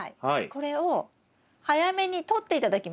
これを早めにとって頂きます。